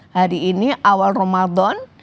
hari ini awal ramadan